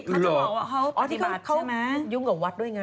มันจะบอกว่าเขาปฏิบัติใช่ไหมอ๋อที่เขายุ่งกับวัดด้วยไง